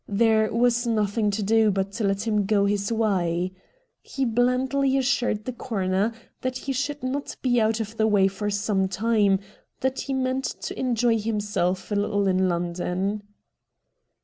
There was nothing to do but to let him go his way. He blandly assured the coroner that he should not be out of the way for some time — that he meant to enjoy himself a little in London.